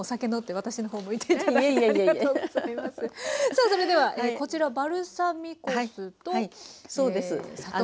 さあそれではこちらバルサミコ酢と砂糖。